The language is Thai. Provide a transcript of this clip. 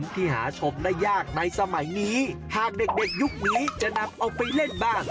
ที่หาชมได้ยากในสมัยนี้หากเด็กยุคนี้จะนำเอาไปเล่นบ้าง